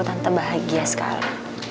tante bahagia sekali